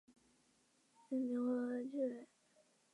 小花荛花为瑞香科荛花属下的一个种。